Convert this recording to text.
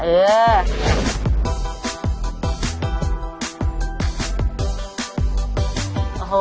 เออ